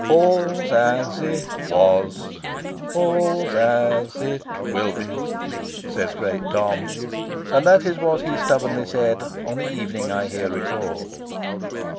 "All's as it was, all's as it will be," says Great Tom; and that is what he stubbornly said on the evening I here record.